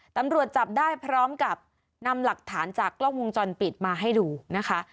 ตำรวจจับได้พร้อมกับนำหลักฐานจากกล้องวงจรปิดมาให้ดูนะคะ